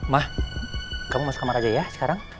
mah kamu masuk kamar aja ya sekarang